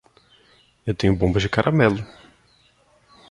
Eu tenho bombas de caramelo.